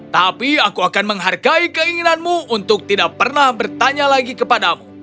tapi aku akan menghargai keinginanmu untuk tidak pernah bertanya lagi kepadamu